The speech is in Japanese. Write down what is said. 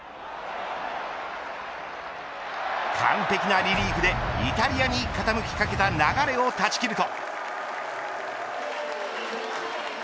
完璧なリリーフで、イタリアに傾きかけた流れを断ち切ると。